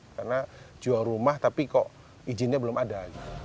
karena jual rumah tapi kok izinnya belum ada